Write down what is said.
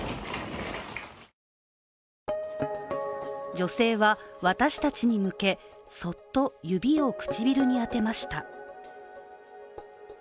女性は私たちに向け、そっと指を唇に当てました。